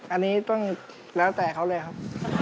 อันนี้ต้องแล้วแต่เขาเลยครับ